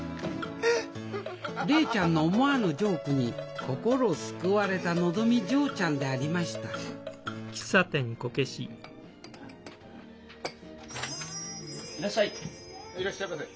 怜ちゃんの思わぬジョークに心救われたのぞみ嬢ちゃんでありましたいらっしゃい！